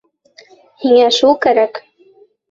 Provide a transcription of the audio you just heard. Һиңә шул кәрәк...